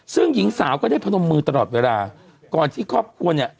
ซึ่งหญิงสาวก็ได้พนมมือตลอดเวลาก่อนที่ครอบครัวเนี่ย